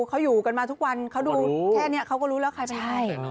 เขาอยู่กันมาทุกวันเขาดูแค่นี้เขาก็รู้แล้วใครไปให้